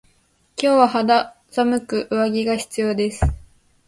今日は肌寒く上着が必要です。